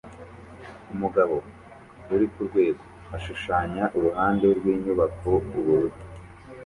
Umugabo uri kurwego ashushanya uruhande rwinyubako ubururu